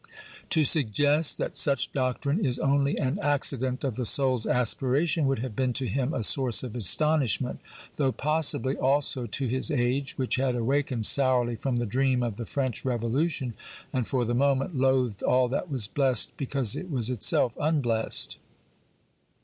To suggest that such doctrine is only an accident of the soul's aspiration would have been to him a source of astonishment, though possibly also to his age, which had awakened sourly from the dream of the French Revolution, and for the moment loathed all that was blessed because it was itself unblessed.